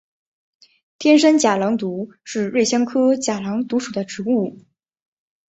天山假狼毒是瑞香科假狼毒属的植物。